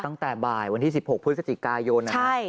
ตั้งแต่บ่ายวันที่๑๖พฤศจิกายนนะครับ